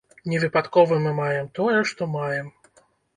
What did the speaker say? Не выпадкова мы маем, тое, што маем.